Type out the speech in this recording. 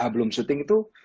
belum syuting itu